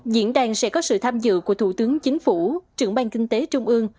diễn đàn sẽ có sự tham dự của thủ tướng chính phủ trưởng ban kinh tế trung ương